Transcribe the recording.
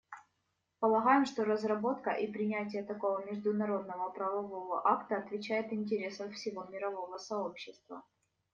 Полагаем, что разработка и принятие такого международно-правового акта отвечает интересам всего мирового сообщества.